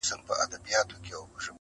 • هغه نن بيا د واويلا خاوند دی.